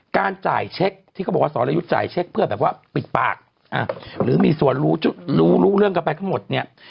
การจ่ายเช็คที่เขาบอกว่าสรรยุจจ่ายเช็คเพื่อปิดปากหรือมีส่วนรู้เรื่องกันไปทั้งหมด